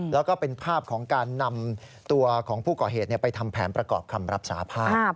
แล้วก็เป็นภาพของการนำตัวของผู้ก่อเหตุไปทำแผนประกอบคำรับสาภาพ